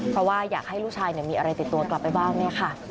เพราะว่าอยากให้ลูกชายมีอะไรติดตัวกลับไปบ้างเนี่ยค่ะ